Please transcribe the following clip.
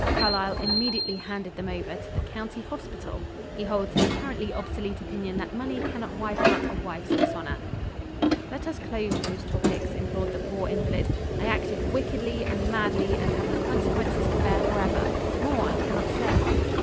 Carlyle immediately handed them over to the county hospital. He holds the apparently obsolete opinion that money cannot wipe out a wife's dishonor." "Let us close those topics" implored the poor invalid. "I acted wickedly and madly, and have the consequences to bear forever. More I cannot say."